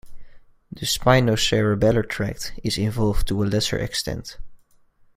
The spinocerebellar tract is involved to a lesser extent.